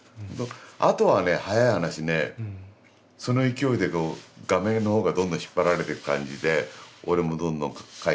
あとはね早い話ねその勢いで画面の方がどんどん引っ張られてく感じで俺もどんどん描いて。